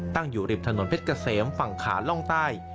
อยู่ริมถนนเพชรเกษมฝั่งขาล่องใต้